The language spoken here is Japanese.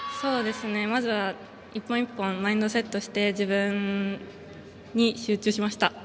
まずは１本１本マインドセットして自分に集中しました。